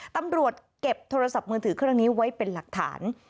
ตำรวจเก็บโทรศัพท์มือถือเครื่องนี้ไว้เป็นหลักฐาน